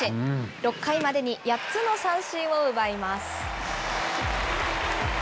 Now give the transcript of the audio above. ６回までに８つの三振を奪います。